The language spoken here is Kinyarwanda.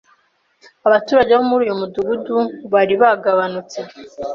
Abaturage bo muri uyu mudugudu bari bagabanutse.